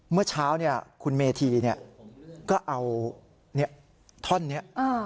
เมื่อเช้าเนี่ยคุณเมธีเนี่ยก็เอาเนี่ยท่อนเนี่ย